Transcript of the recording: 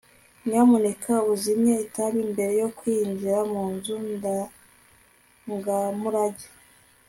nyamuneka uzimye itabi mbere yo kwinjira mu nzu ndangamurage